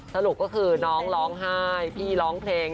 สรุปก็คือน้องร้องไห้พี่ร้องเพลง